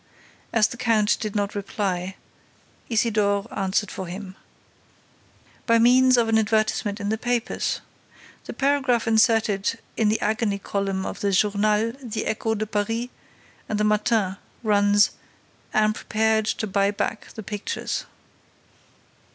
As the count did not reply, Isidore answered for him: "By means of an advertisement in the papers. The paragraph inserted in the agony column of the Journal, the Écho de Paris and the Matin runs, 'Am prepared to buy back the pictures.